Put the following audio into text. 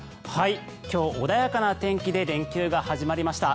今日、穏やかな天気で連休が始まりました。